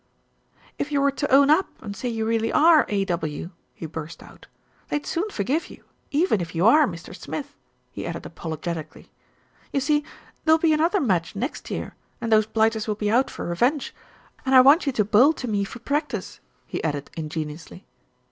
"If you were to own up and say you really are A.W.," he burst out, "they'd soon forgive you even if you are Mr. Smith?" he added apologetically. "You see, there'll be another match next year, and those blighters will be out for revenge, and I want you to bowl to me for practice," he added ingenuously.